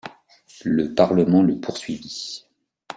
Le Parlement le poursuivit.